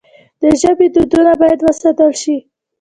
د ژبې دودونه باید وساتل سي.